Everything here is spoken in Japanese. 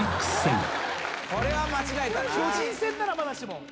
巨人戦ならまだしも。